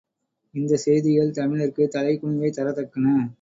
இந்தச் செய்திகள் தமிழர்க்குத் தலைகுனிவைத் தரத்தக்கன.